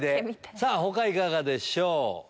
さぁ他いかがでしょう？